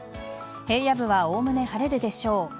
平野部はおおむね晴れるでしょう。